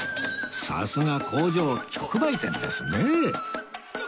さすが工場直売店ですねえ